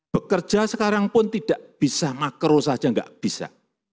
bekerja sekarang pun tidak bisa makro saja tidak bisa